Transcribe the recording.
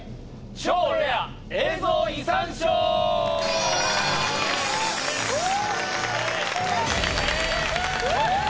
超レア映像遺産ショー！